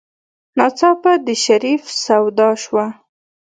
ناڅاپه د شريف سودا شوه.